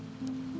aku tau ran